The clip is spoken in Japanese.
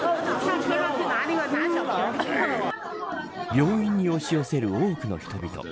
病院に押し寄せる多くの人々。